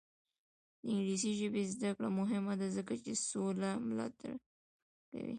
د انګلیسي ژبې زده کړه مهمه ده ځکه چې سوله ملاتړ کوي.